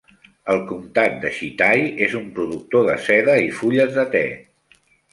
El comtat de Shitai és un productor de seda i fulles de te.